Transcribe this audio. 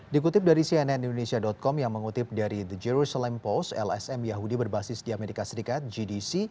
dikutip dari cnn indonesia com yang mengutip dari the jerusalem post lsm yahudi berbasis di amerika serikat gdc